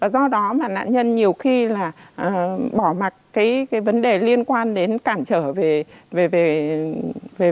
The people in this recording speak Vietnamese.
do đó nạn nhân nhiều khi bỏ mặt vấn đề liên quan đến cản trở về vụ lừa đảo